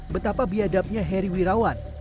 betapa biadabnya heri wirawan